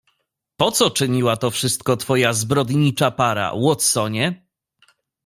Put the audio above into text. "Po co czyniła to wszystko twoja zbrodnicza para, Watsonie?"